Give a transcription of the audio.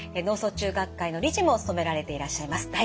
脳卒中学会の理事も務められていらっしゃいます。